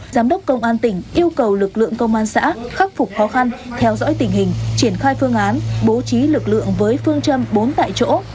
giám đốc công an tỉnh yêu cầu lực lượng công an xã khắc phục khó khăn theo dõi tình hình triển khai phương án bố trí lực lượng với phương châm bốn tại chỗ